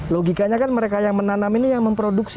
logikanya kan mereka yang menanam ini yang memproduksi